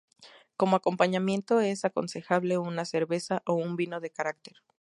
Como acompañamiento es aconsejable una cerveza o un vino de carácter.